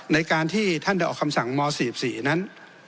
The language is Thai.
ในการที่ท่านได้ออกคำสั่งม๔๔นั้น